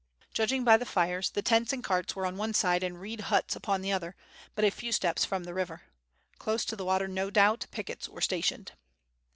Judging by the fires the tents and carts were on one side and reed huts upon the other, but a few steps from the river. Close to the water, no doubt, pickets were stationed.